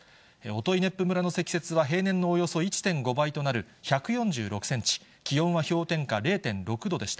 音威子府村の積雪は、平年のおよそ１．５倍となる１４６センチ、気温は氷点下０．６度でした。